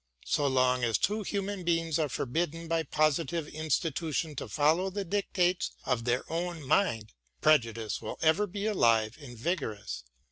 So long as two human beings are forbidden by positive institution to follow the dictates of their own mind, prejudice will ever be alive and vigorous.